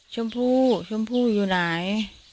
ฉันพูดฉันพูดอยู่ไหน